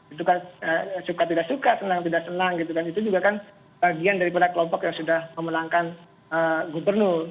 itu kan suka tidak suka senang tidak senang gitu kan itu juga kan bagian daripada kelompok yang sudah memenangkan gubernur